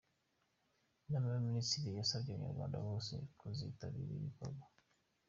Inama y’Abaminisitiri yasabye Abanyarwanda bose kuzitabira ibi bikorwa.